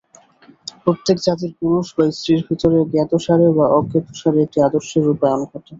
প্রত্যেক জাতির পুরুষ বা স্ত্রীর ভিতরে জ্ঞাতসারে বা অজ্ঞাতসারে একটি আদর্শের রূপায়ণ ঘটে।